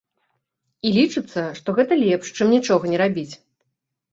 І лічыцца, што гэта лепш, чым нічога не рабіць.